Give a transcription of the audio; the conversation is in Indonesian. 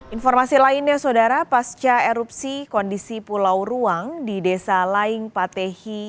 informasi lainnya saudara pasca erupsi kondisi pulau ruang di desa laing patehi